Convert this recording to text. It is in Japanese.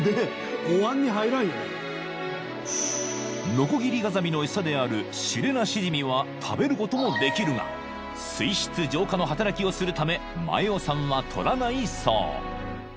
［ノコギリガザミの餌であるシレナシジミは食べることもできるが水質浄化の働きをするため前大さんは獲らないそう］